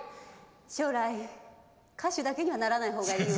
将来歌手だけにはならない方がいいわ。